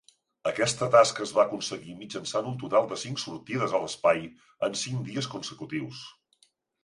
Aquesta tasca es va aconseguir mitjançant un total de cinc sortides a l'espai en cinc dies consecutius.